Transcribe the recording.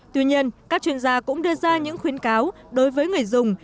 tuy nhiên các chuyên gia cũng đưa ra những khuyến cáo đối với người dùng